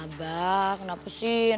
abah kenapa sih